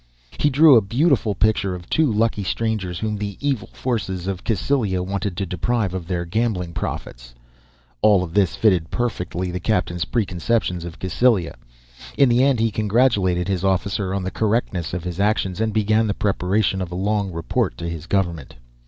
He drew a beautiful picture of two lucky strangers whom the evil forces of Cassylia wanted to deprive of their gambling profits. All this fitted perfectly the captain's preconceptions of Cassylia. In the end he congratulated his officer on the correctness of his actions and began the preparation of a long report to his government.